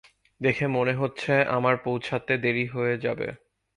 দেখে মনে হচ্ছে আমার পৌছাত দেরি হয়ে যাবে।